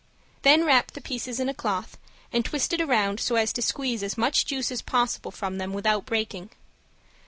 Then wrap the pieces in a cloth and twist it around so as to squeeze as much juice as possible from them without breaking.